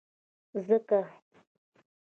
ځکه،